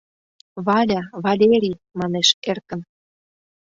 — Валя, Валерий... — манеш эркын.